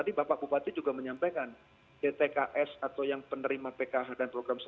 dan juga wah mendes